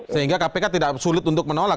sehingga kpk tidak sulit untuk menolak